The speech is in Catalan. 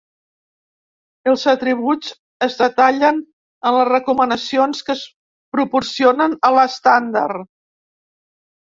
Els atributs es detallen en les recomanacions que es proporcionen a l'estàndard.